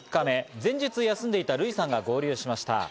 前日、休んでいたルイさんが合流しました。